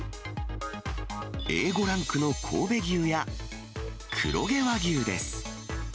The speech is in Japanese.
Ａ５ランクの神戸牛や、黒毛和牛です。